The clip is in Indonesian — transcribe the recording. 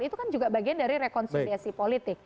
itu kan juga bagian dari rekonsiliasi politik